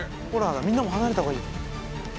みんなも離れた方がいいよ。